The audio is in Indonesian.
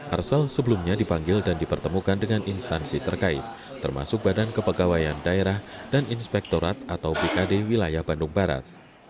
arsel sebelumnya dipanggil dan dipertemukan dengan instansi terkait termasuk badan kepegawaian daerah dan inspektorat atau bkd wilayah bandung barat